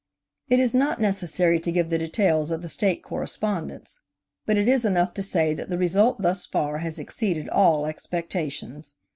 It is not necessary to give the details of the State correspondence, but it is enough to say that the result thus far has exceeded all expectations.